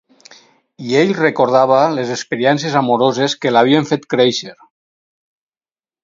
I ell recordava les experiències amoroses que l'havien fet créixer.